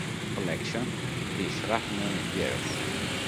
Collection: The Shrapnel Years